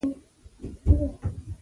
لنډو مه بیایه غرمه ده.